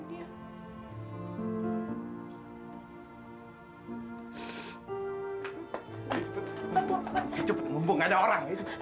gak ada orang